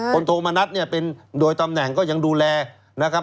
โทมณัฐเนี่ยเป็นโดยตำแหน่งก็ยังดูแลนะครับ